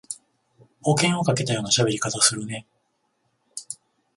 保険をかけたようなしゃべり方するね